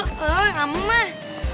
oh yang lama mah